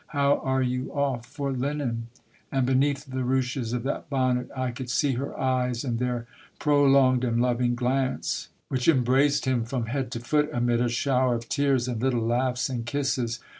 How are you off for linen?" And beneath the ruches of that bonnet I could see her eyes, and their prolonged and loving glance 40 Monday Tales. which embraced him from head to foot, amid a shower of tears and little laughs and kisses.